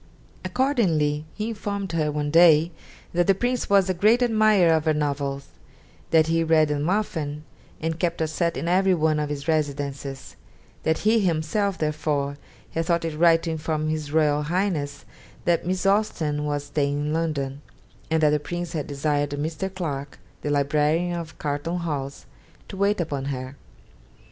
Accordingly he informed her one day that the Prince was a great admirer of her novels; that he read them often, and kept a set in every one of his residences; that he himself therefore had thought it right to inform his Royal Highness that Miss Austen was staying in London, and that the Prince had desired Mr. Clarke, the librarian of Carlton House, to wait upon her.